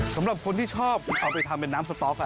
สำหรับคนที่ชอบเอาไปทำเป็นน้ำสต๊อก